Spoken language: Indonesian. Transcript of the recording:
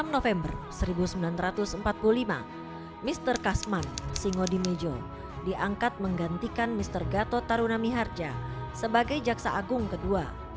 enam november seribu sembilan ratus empat puluh lima mr kasman singodimejo diangkat menggantikan mr gatot tarunami harja sebagai jaksa agung kedua